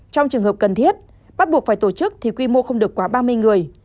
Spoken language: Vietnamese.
trong trường hợp cần thiết bắt buộc phải tổ chức thì quy mô không được quá ba mươi người